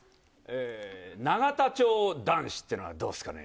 永田町男子っていうのはどうっすかね。